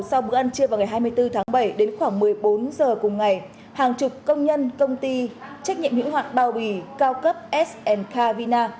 công an trưa vào ngày hai mươi bốn tháng bảy đến khoảng một mươi bốn h cùng ngày hàng chục công nhân công ty trách nhiệm hữu hoạng bao bì cao cấp s k vina